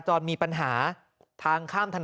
กรุงเทพฯมหานครทำไปแล้วนะครับ